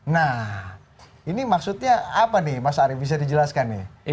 nah ini maksudnya apa nih mas arief bisa dijelaskan nih